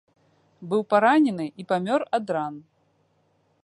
Быў паранены і памёр ад ран.